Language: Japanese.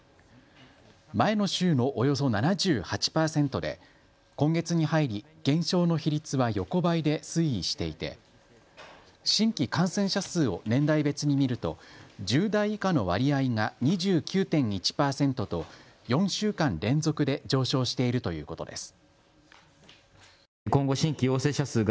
前の週のおよそ７８％で今月に入り、減少の比率は横ばいで推移していて新規感染者数を年代別に見ると１０代以下の割合が２９．１％と４週間連続で上昇しているということです。